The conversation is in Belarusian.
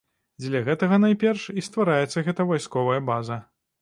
Дзеля гэтага найперш і ствараецца гэта вайсковая база.